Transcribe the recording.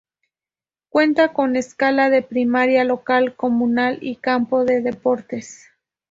Cuentan con escuela de primaria, local comunal y campo de deportes.